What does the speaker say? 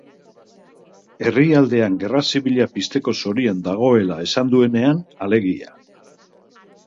Herrialdean gerra zibila pizteko zorian dagoela esan duenean, alegia.